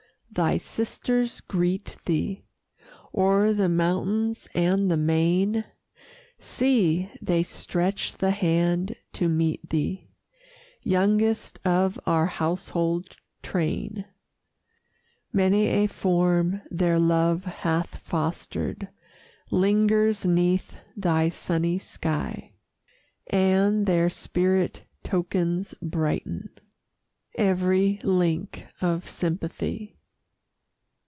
thy sisters greet thee, O'er the mountain and the main; See, they stretch the hand to meet thee, Youngest of our household train. Many a form their love hath fostered Lingers 'neath thy sunny sky, And their spirit tokens brighten Every link of sympathy.